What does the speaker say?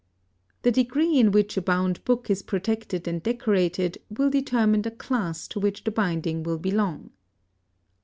The degree in which a bound book is protected and decorated will determine the class to which the binding will belong.